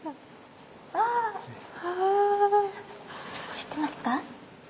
知ってますか？